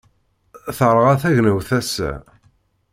Terɣa tegnawt ass-a.